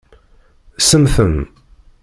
Semmten.